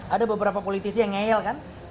ada beberapa politisi yang ngeyel kan